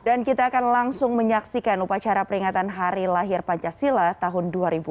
dan kita akan langsung menyaksikan upacara peringatan hari lahir pancasila tahun dua ribu dua puluh satu